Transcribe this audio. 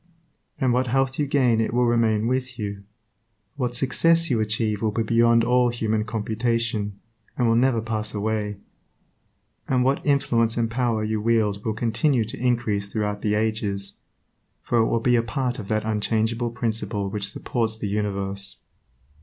And what health you gain it will remain with you; what success you achieve will be beyond all human computation, and will never pass away; and what influence and power you wield will continue to increase throughout the ages, for it will be a part of that unchangeable Principle which supports the universe.